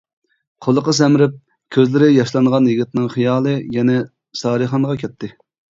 قۇلىقى سەمرىپ، كۆزلىرى ياشلانغان يىگىتنىڭ خىيالى يەنە سارىخانغا كەتتى.